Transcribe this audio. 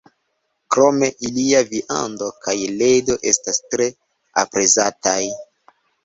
Krome, ilia viando kaj ledo estas tre aprezataj.